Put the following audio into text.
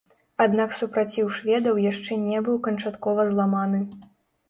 Аднак супраціў шведаў яшчэ не быў канчаткова зламаны.